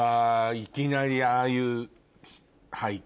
いきなりああいう背景。